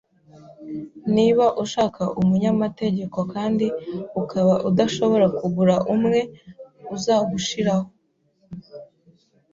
Niba ushaka umunyamategeko kandi ukaba udashobora kugura umwe, uzagushiraho